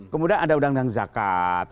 kemudian ada undang undang zakat